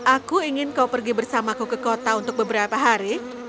aku ingin kau pergi bersamaku ke kota untuk beberapa hari